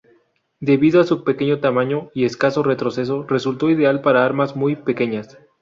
Debido a su pequeño tamaño y escaso retroceso, resultó ideal para armas muy pequeñas.